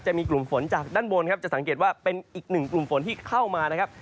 จะมีกลุ่มฝนจากด้านบนครับจะสังเกตว่าเป็นอีกหนึ่งกลุ่มฝนที่เข้ามานะครับ